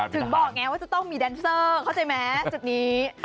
ถึงบอกไงว่าจะต้องมีแดนเซอร์เข้าใจไหมจุดนี้